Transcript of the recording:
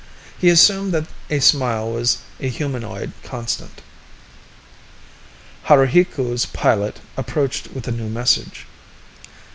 He assumed that a smile was a humanoid constant. Haruhiku's pilot approached with a new message.